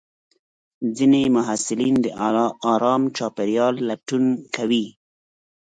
ځینې محصلین د ارام چاپېریال لټون کوي.